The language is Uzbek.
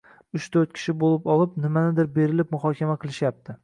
uch-to‘rt kishi bo‘lib olib, nimanidir berilib muhokama qilishyapti.